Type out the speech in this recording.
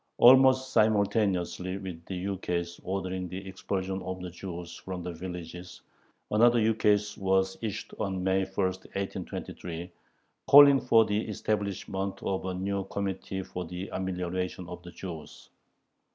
Almost simultaneously with the ukase ordering the expulsion of the Jews from the villages, another ukase was issued on May 1, 1823, calling for the establishment of a new "Committee for the Amelioration of the Jews."